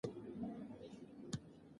ساینسپوهان څېړنې ته دوام ورکوي.